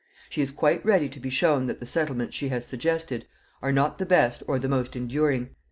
She is quite ready to be shown that the settlements she has suggested are not the best or the most enduring.